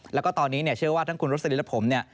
แล้วก็ตอนนี้เนี่ยเชื่อว่าทั้งคุณรสลิและผมเนี่ย